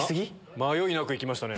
迷いなく行きましたね。